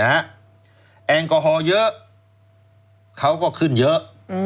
แอลกอฮอล์เยอะเขาก็ขึ้นเยอะ